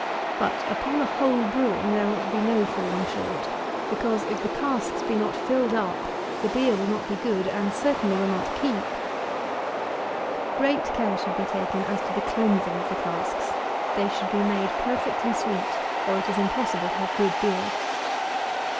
But, upon the whole brewing, there ought to be no falling short; because, if the casks be not filled up, the beer will not be good, and certainly will not keep. Great care should be taken as to the cleansing of the casks. They should be made perfectly sweet; or it is impossible to have good beer.